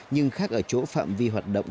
nhưng khác ở chỗ phát triển